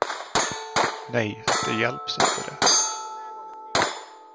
Nej, det hjälps inte, det.